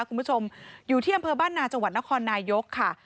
คุณผู้ชมอยู่ที่อำเภอบ้านนาจังหวัดนครนายกค่ะ